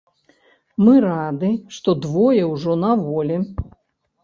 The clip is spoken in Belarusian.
Мы рады, што двое ўжо на волі.